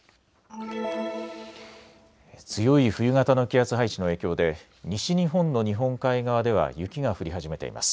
強い冬型の気圧配置の影響で西日本の日本海側では雪が降り始めています。